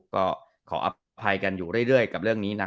ก็ขออภัยกันอยู่เรื่อยกับเรื่องนี้นะ